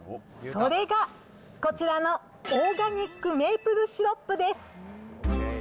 それがこちらのオーガニックメープルシロップです。